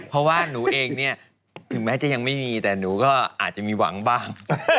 เพราะว่าหนูเองเนี่ยถึงแม้จะยังไม่มีแต่หนูก็อาจจะมีหวังบ้าง